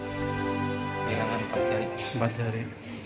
hilangan empat jari